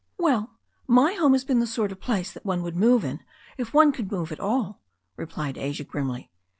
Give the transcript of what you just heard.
"Well, my home has been the sort of place that one would move in, if one could move at all," replied Asia grimly.